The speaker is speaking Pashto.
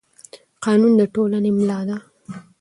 قانون د ټولنې ملا ده